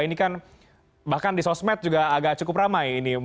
ini kan bahkan di sosmed juga agak cukup ramai ini